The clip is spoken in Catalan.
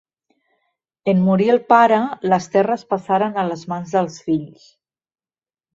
En morir el pare, les terres passaren a les mans dels fills.